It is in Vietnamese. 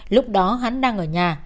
lúc đó hắn đang ở nhà